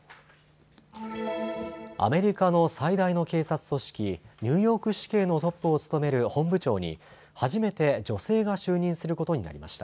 アメリカの最大の警察組織、ニューヨーク市警のトップを務める本部長に初めて女性が就任することになりました。